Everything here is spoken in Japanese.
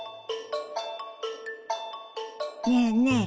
ねえねえ